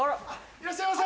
いらっしゃいませ。